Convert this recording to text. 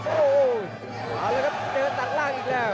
โอ้โหเอาละครับเจอตัดล่างอีกแล้ว